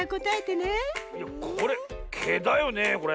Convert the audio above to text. いやこれ「け」だよねこれ？